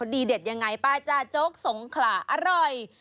เด็ดยังไงป้าจ้าโจ๊กสงขลาอร่อย